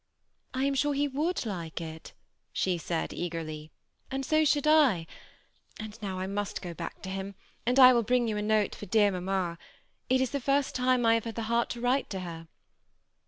^ I am sure he would like it," she said, eagerly, '^ and so should I ; and now I must go back to him, and I will bring you a note for dear mamma. It is the first time I have had the heart to write to her.